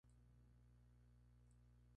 La obra naturalmente tomó la forma de una ópera.